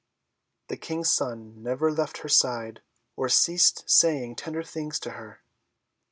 The King's son never left her side, or ceased saying tender things to her.